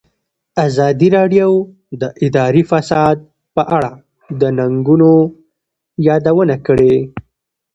ازادي راډیو د اداري فساد په اړه د ننګونو یادونه کړې.